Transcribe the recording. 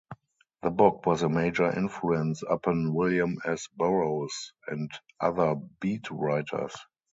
The book was a major influence upon William S. Burroughs and other Beat writers.